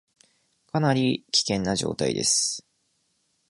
かなり危険な状況です